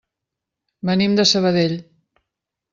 Venim de Sabadell.